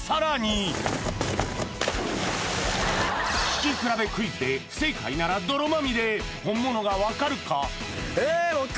聴き比べクイズで不正解なら泥まみれ本物がわかるか？